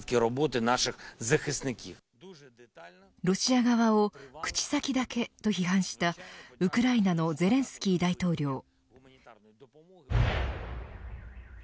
ロシア側を口先だけと批判したウクライナのゼレンスキー大統領。